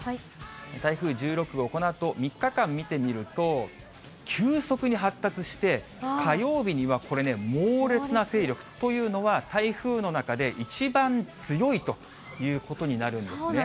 台風１６号、このあと３日間見てみると、急速に発達して、火曜日にはこれね、猛烈な勢力。というのは、台風の中で一番強いということになるんですね。